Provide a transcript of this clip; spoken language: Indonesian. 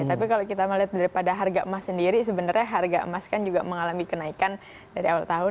tapi kalau kita melihat daripada harga emas sendiri sebenarnya harga emas kan juga mengalami kenaikan dari awal tahun